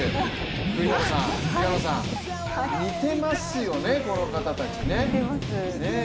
栗原さん、平野さん似てますよね、この方たちね。